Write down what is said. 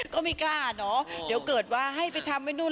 ก็ไม่กล้าเนอะเดี๋ยวเกิดว่าให้ไปทำไว้นู่น